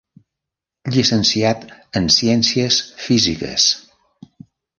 Llicenciat en ciències físiques.